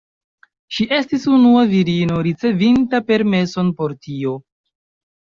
Ŝi estis unua virino ricevinta permeson por tio.